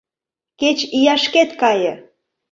— Кеч ияшкет кае!